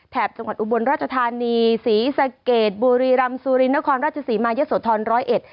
แถบจังหวัดอุบรรณราชธานีศรีอิสเกตบุรีรัมสุรินครราชศรีมายสุธรรณร้อยเอ็ด